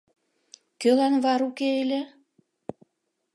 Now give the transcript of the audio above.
— Кӧлан вар уке ыле?